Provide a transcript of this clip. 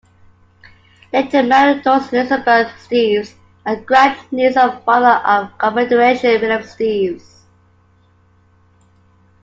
Layton married Doris Elizabeth Steeves, a grand-niece of Father of Confederation William Steeves.